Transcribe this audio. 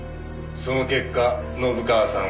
「その結果信川さんを」